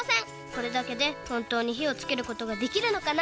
これだけでほんとうにひをつけることができるのかな？